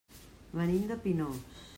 Venim de Pinós.